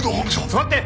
座って！